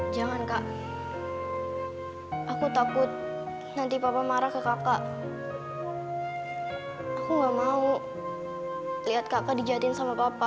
jangan kak aku takut nanti papa marah ke kakak aku gak mau lihat kakak dijadiin sama papa